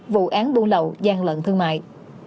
vụ án buôn lậu gian lận thương mại